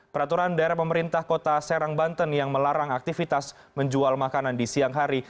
peraturan daerah pemerintah kota serang banten yang melarang aktivitas menjual makanan di siang hari